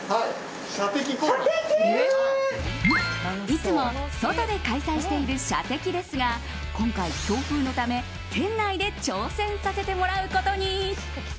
いつも外で開催している射的ですが今回、強風のため店内で挑戦させてもらうことに。